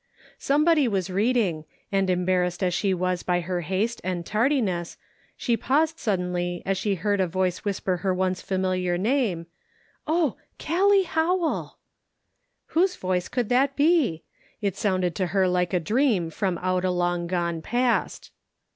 Somebody was reading, and embarrassed as she was by her haste and tardiness, she paused suddenly as she heard a voice whisper her once familiar name :" Oh, Gallic Howell !" Whose voice could that be? It sounded to her like a dream from out a long gone past.